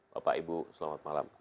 bapak ibu selamat malam